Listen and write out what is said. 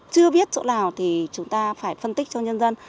chưa biết chỗ nào thì chúng ta phải phân tích cho nhân dân